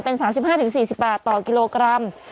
เป็น๓๕๔๐บาทต่อกิโลกรัม